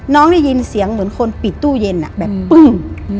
ได้ยินเสียงเหมือนคนปิดตู้เย็นแบบปึ้ง